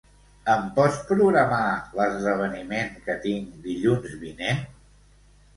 Em pots programar l'esdeveniment que tinc dilluns vinent?